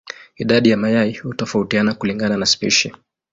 Idadi ya mayai hutofautiana kulingana na spishi.